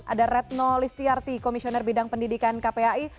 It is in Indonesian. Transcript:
ada retno listiarti komisioner bidang pendidikan kpai